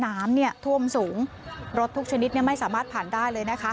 น้ำเนี่ยท่วมสูงรถทุกชนิดเนี่ยไม่สามารถผ่านได้เลยนะคะ